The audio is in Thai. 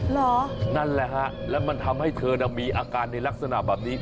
เหรอนั่นแหละฮะแล้วมันทำให้เธอน่ะมีอาการในลักษณะแบบนี้